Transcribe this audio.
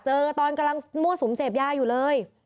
ตอนกำลังมั่วสุมเสพยาอยู่เลย